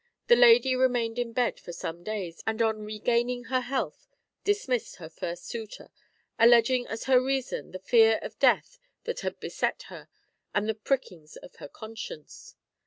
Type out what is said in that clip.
The lady remained in bed for some days, and on regaining her health dismissed her first suitor, alleging as her reason the fear of death that had beset her and the prickings of her conscience.